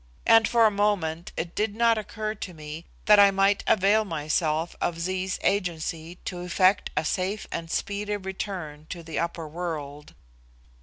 And for a moment it did occur to me that I might avail myself of Zee's agency to effect a safe and speedy return to the upper world.